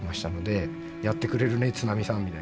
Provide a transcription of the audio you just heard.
やってくれるね津波さんみたいな。